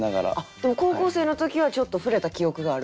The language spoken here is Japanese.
でも高校生の時はちょっと触れた記憶がある？